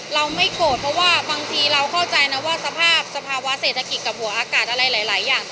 เราไม่โกรธเพราะว่าบางทีเราเข้าใจนะว่าสภาพสภาวะเศรษฐกิจกับหัวอากาศอะไรหลายอย่าง